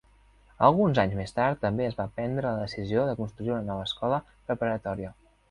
Alguns anys més tard també es va prendre la decisió de construir una nova escola preparatòria.